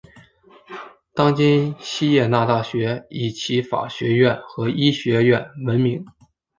当今锡耶纳大学以其法学院和医学院闻名。